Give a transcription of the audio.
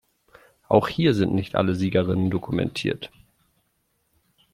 Auch hier sind nicht alle Siegerinnen dokumentiert.